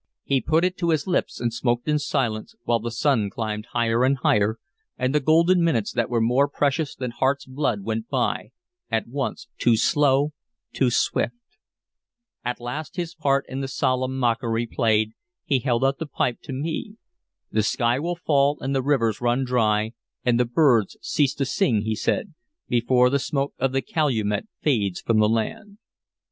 He put it to his lips and smoked in silence, while the sun climbed higher and higher, and the golden minutes that were more precious than heart's blood went by, at once too slow, too swift. At last, his part in the solemn mockery played, he held out the pipe to me. "The sky will fall, and the rivers run dry, and the birds cease to sing," he said, "before the smoke of the calumet fades from the land."